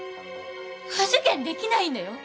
お受験できないんだよ。